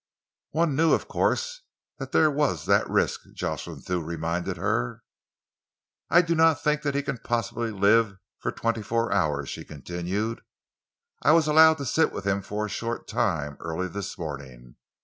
"One knew, of course, that there was that risk," Jocelyn Thew reminded her. "I do not think that he can possibly live for twenty four hours," she continued. "I was allowed to sit with him for a short time early this morning.